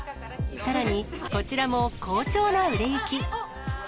さらにこちらも好調な売れ行き。